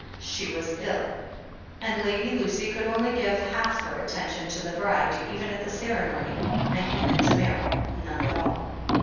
She was ill, and Lady Lucy could only give half her attention to the bride, even at the ceremony, and Clement Damerel none at all.